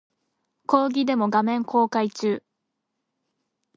講義デモ画面公開中